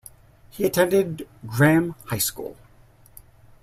He attended Graeme High School.